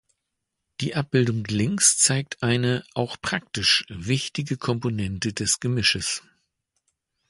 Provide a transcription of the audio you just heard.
Die Abbildung links zeigt eine, auch praktisch wichtige, Komponente des Gemisches.